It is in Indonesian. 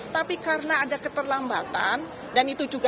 tapi karena ada keterlambatan dan itu juga